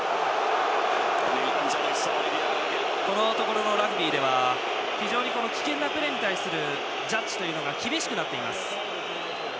このところのラグビーでは非常に危険なプレーに対するジャッジが厳しくなっています。